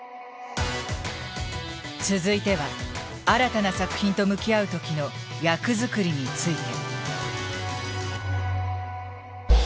続いては新たな作品と向き合う時の「役作り」について。